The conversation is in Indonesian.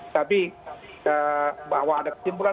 tapi bahwa ada kesimpulan